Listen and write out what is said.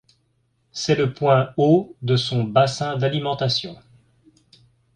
C'est le point haut de son bassin d'alimentation.